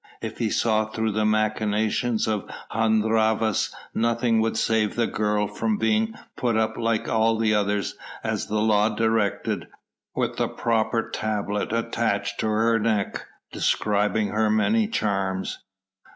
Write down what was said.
If he saw through the machinations of Hun Rhavas nothing would save the girl from being put up like all the others as the law directed, with the proper tablet attached to her neck, describing her many charms.